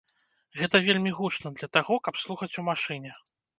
Гэта вельмі гучна для таго, каб слухаць у машыне.